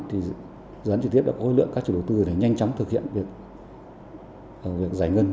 thì dự án trực tiếp đã có khối lượng các chủ đầu tư để nhanh chóng thực hiện việc giải ngân